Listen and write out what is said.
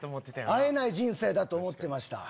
会えない人生だと思ってました。